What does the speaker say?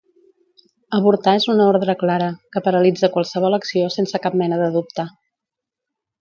Avortar és una ordre clara, que paralitza qualsevol acció sense cap mena de dubte.